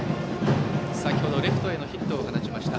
先程、レフトへのヒットを放ちました。